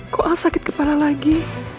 kok sakit kepala lagi